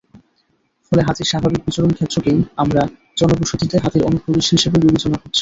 ফলে হাতির স্বাভাবিক বিচরণক্ষেত্রকেই আমরা জনবসতিতে হাতির অনুপ্রবেশ হিসেবে বিবেচনা করছি।